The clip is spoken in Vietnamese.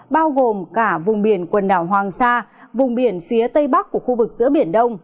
bao gồm cả vùng biển quần đảo hoàng sa vùng biển phía tây bắc của khu vực giữa biển đông